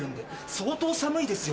相当寒いですよ